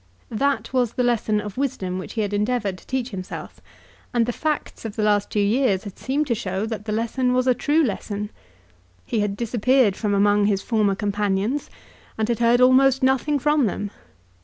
That was the lesson of wisdom which he had endeavoured to teach himself, and the facts of the last two years had seemed to show that the lesson was a true lesson. He had disappeared from among his former companions, and had heard almost nothing from them.